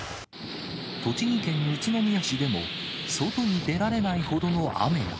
栃木県宇都宮市でも、外に出られないほどの雨が。